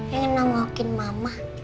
pengen nama wakin mama